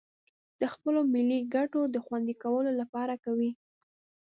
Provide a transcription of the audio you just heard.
د خپلو ملي گټو د خوندي کولو لپاره کوي